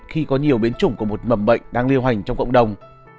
khi có nhiều biến chủng của một mầm bệnh đang lưu hành trong cộng đồng